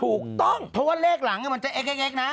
ถูกต้องเพราะว่าเลขหลังมันจะเอ็กนะ